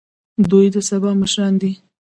دوی د سبا مشران دي